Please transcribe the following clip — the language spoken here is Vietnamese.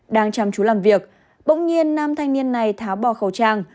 đang chăm chú làm việc bỗng nhiên nam thanh niên này tháo bỏ khẩu trang